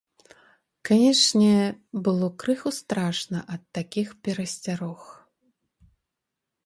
Канечне, было крыху страшна ад такіх перасцярог.